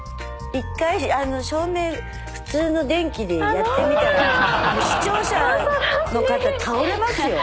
一回照明普通の電気でやってみたら視聴者の方倒れますよ。